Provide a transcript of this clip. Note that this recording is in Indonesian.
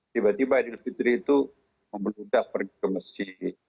tiba tiba idil fitri itu mempermudah pergi ke masjid